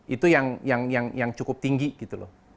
itu yang cukup tinggi gitu loh